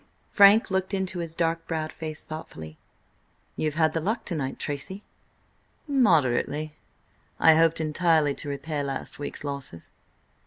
Frank looked into his dark browed face thoughtfully. "You've had the luck, to night, Tracy." "Moderately. I hoped entirely to repair last week's losses."